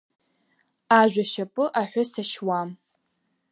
Ажә ашьапы аҳәыс ашьуам…